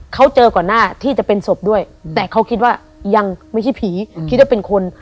เขาเจอก่อนหน้าที่จะเป็นศพด้วยแต่เขาคิดว่ายังไม่ใช่ผีคิดว่าเป็นคน